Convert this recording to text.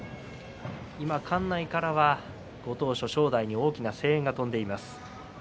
館内からはご当所正代に大きな声援が飛んでいます。